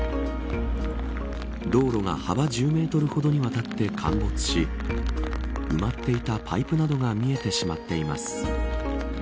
道路が幅１０メートルほどにわたって陥没し埋まっていたパイプなどが見えてしまっています。